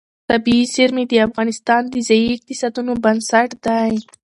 طبیعي زیرمې د افغانستان د ځایي اقتصادونو بنسټ دی.